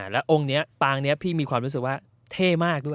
แล้วองค์นี้ปางนี้พี่มีความรู้สึกว่าเท่มากด้วย